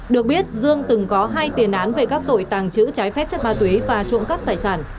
được biết dương từng có hai tiền án về các tội tàng trữ trái phép chất ma túy và trộm cắp tài sản